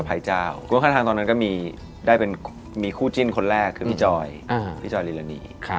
เพราะว่าข้างทางตอนนั้นก็มีได้เป็นมีคู่จิ้นคนแรกคือพี่จอยพี่จอยริรณี